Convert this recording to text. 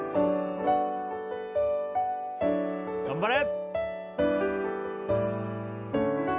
頑張れ